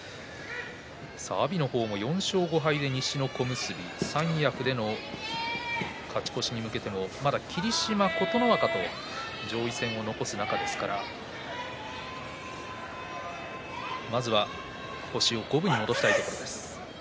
阿炎も４勝５敗で西の小結三役での勝ち越しに向けてもまた霧島、琴ノ若と上位戦を残す中ですからまずは星を五分に戻したいところです。